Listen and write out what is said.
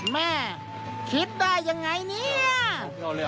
แม่คิดได้ยังไงเนี่ย